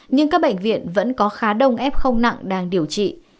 nhưng các bệnh viện vẫn có khá đông f nặng đang điều trị